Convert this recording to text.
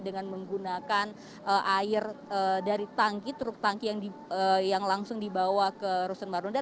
dengan menggunakan air dari tangki truk tangki yang langsung dibawa ke rusun marunda